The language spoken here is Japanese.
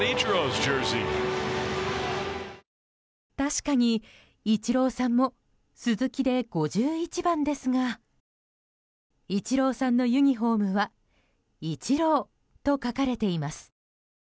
確かにイチローさんも鈴木で５１番ですがイチローさんのユニホームは「イチロー」と書かれています。